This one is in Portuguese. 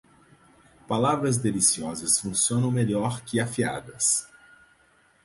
Palavras deliciosas funcionam melhor que afiadas.